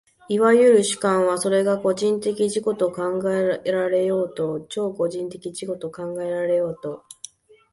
いわゆる主観は、それが個人的自己と考えられようと超個人的自己と考えられようと、